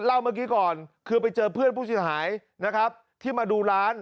เมื่อกี้ก่อนคือไปเจอเพื่อนผู้เสียหายนะครับที่มาดูร้าน